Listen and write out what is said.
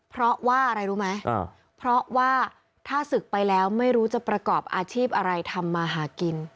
เพราะว่าอะไรรู้ไหมเพราะว่าถ้าศึกไปแล้วไม่รู้จะประกอบอาชีพอะไรทำมาหากิน